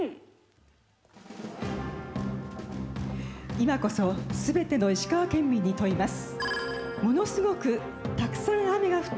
今こそ全ての石川県民に問います。